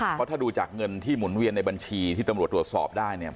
เพราะถ้าดูจากเงินที่หมุนเวียนในบัญชีที่ตำรวจตรวจสอบได้เนี่ย